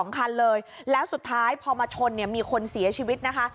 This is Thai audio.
๒คันเลยแล้วสุดท้ายพอมาชนเนี่ยมีคนเสียชีวิตนะคะ